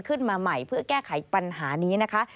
ขึ้นมาใหม่เพื่อแก้ไขปัญหานี้นะคะ